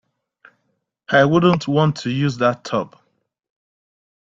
I wouldn't want to use that tub.